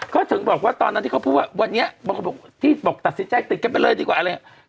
เขาถึงบอกว่าตอนนั้นที่เขาพูดว่าวันนี้บางคนบอกที่บอกตัดสินใจติดกันไปเลยดีกว่าอะไรอย่างนี้